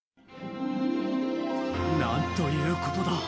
なんということだ！